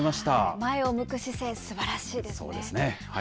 前を向く姿勢、すばらしいですね。